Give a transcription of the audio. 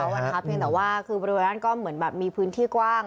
เพียงแต่ว่าบริเวณบ้านก็เหมือนมีพื้นที่กว้าง